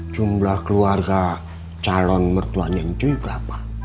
jumlah keluarga calon mertuan ncuy berapa